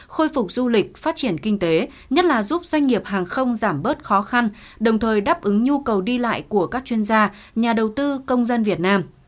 khôi phục du lịch phát triển kinh tế nhất là giúp doanh nghiệp hàng không giảm bớt khó khăn đồng thời đáp ứng nhu cầu đi lại của các chuyên gia nhà đầu tư công dân việt nam